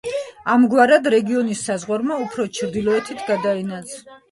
ამგვარად, რეგიონის საზღვარმა უფრო ჩრდილოეთით გადაინაცვლა.